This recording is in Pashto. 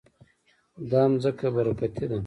دا ځمکه برکتي ده.